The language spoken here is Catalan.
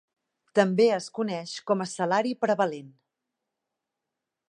També es coneix com a salari prevalent.